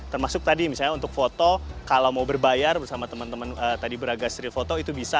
termasuk tadi misalnya untuk foto kalau mau berbayar bersama teman teman tadi braga street foto itu bisa